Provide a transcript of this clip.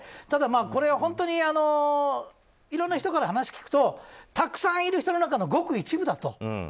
ただ、これはいろんな人から話を聞くとたくさんいる人の中のごく一部だと。